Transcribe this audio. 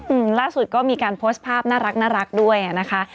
อืมล่าสุดก็มีการโพสต์ภาพน่ารักด้วยอ่ะนะคะ